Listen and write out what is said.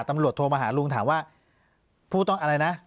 ตำรวจโทรมาหาลุงถามว่าพูดต้องอะไรนะ